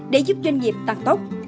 để giúp doanh nghiệp tăng tốc